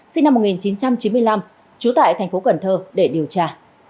sinh năm một nghìn chín trăm chín mươi năm trú tại thành phố cần thơ để điều tra